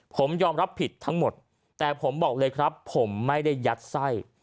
ผมยอมรับผิดทั้งหมดแต่ผมบอกเลยครับผมไม่ได้ยัดไส้